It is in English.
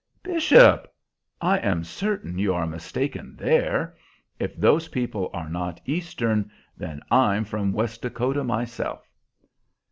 "Bishop! I am certain you are mistaken there. If those people are not Eastern, then I'm from West Dakota myself!"